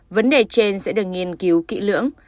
vấn đề trên sẽ được nghiên cứu kỹ lưỡng